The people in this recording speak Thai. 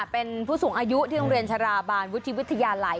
เป็นผู้สูงอายุที่โรงเรียนชราบาลวุฒิวิทยาลัย